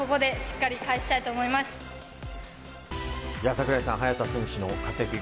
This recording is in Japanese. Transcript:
櫻井さん、早田選手の活躍